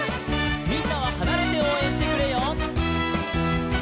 「みんなははなれておうえんしてくれよ」